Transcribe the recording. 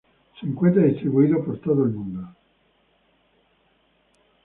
Se encuentra distribuido por todo el mundo.